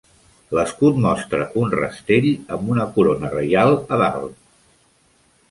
L'escut mostra un rastell amb una corona reial a dalt.